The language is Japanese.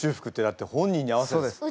だって本人に合わせて。